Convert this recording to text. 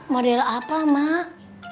model apa mak